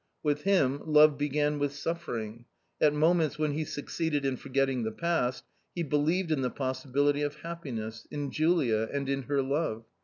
With him love began with suffering. At moments when he succeeded in forgetting the past, he believed in the possi bility of happiness, in Julia and in her love.